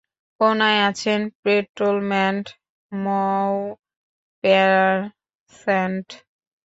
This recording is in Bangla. কোনায় আছেন পেট্রলম্যান মউপ্যাস্যান্ট।